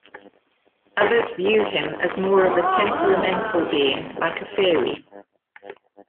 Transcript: Others view him as more of a temperamental being like a fairy.